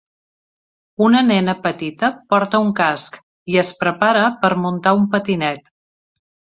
Una nena petita porta un casc i es prepara per muntar un patinet